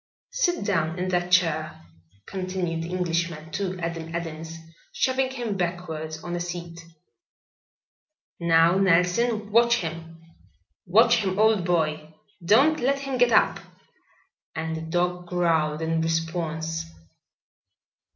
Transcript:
"Sit down in that chair," continued the Englishman to Adam Adams, shoving him backward on a seat. "Now, Nelson, watch him. Watch him, old boy. Don't let him get up." And the dog growled in response.